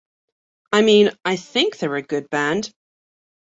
I mean I think they're a good band.